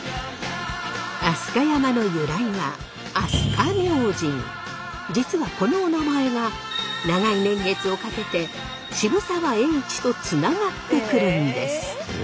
飛鳥山の由来は実はこのおなまえが長い年月をかけて渋沢栄一とつながってくるんです。